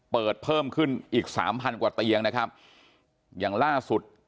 เพิ่มขึ้นอีกสามพันกว่าเตียงนะครับอย่างล่าสุด